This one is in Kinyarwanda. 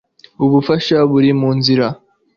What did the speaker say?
ubufasha buri munzira